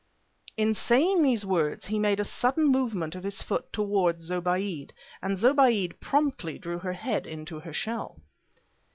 In saying these words he made a sudden movement of his foot toward Zobéide, and Zobéide promptly drew her head into her shell.